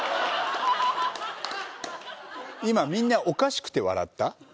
今みんなおかしくて笑った？